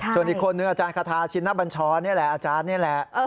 ส่วนอีกคนนึงอาจารย์คาทาชินบัญชรนี่แหละอาจารย์นี่แหละ